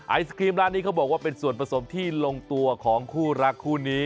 ไอศครีมร้านนี้เขาบอกว่าเป็นส่วนผสมที่ลงตัวของคู่รักคู่นี้